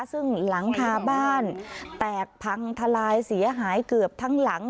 ซึ่งหลังคาบ้านแตกพังทลายเสียหายเกือบทั้งหลัง